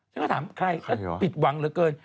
ฉันก็ถามใครก็ผิดหวังเหลือเกิน